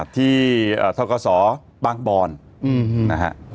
ที่ท้องกาศอปางบรนะฮะ